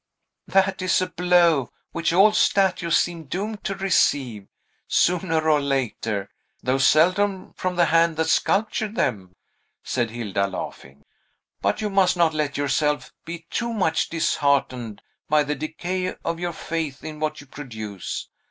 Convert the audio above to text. "That is a blow which all statues seem doomed to receive, sooner or later, though seldom from the hand that sculptured them," said Hilda, laughing. "But you must not let yourself be too much disheartened by the decay of your faith in what you produce.